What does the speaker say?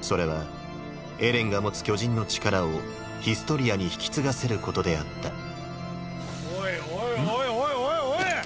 それはエレンが持つ巨人の力をヒストリアに引き継がせることであったオイオイオイオイオイオイ。